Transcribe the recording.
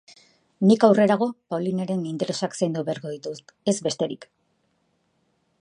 Nik aurrerago Paulineren interesak zaindu beharko ditut, ez besterik.